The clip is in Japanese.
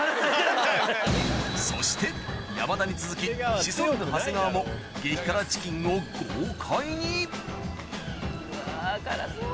そして山田に続きシソンヌ・長谷川も激辛チキンを豪快にうわ辛そう。